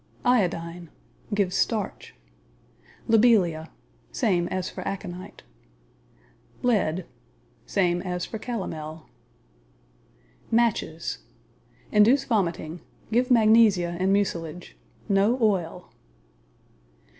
Iodine Give starch. Lobelia Same as for aconite. Lead Same as for calomel. Matches Induce vomiting. Give magnesia and mucilage. NO OIL.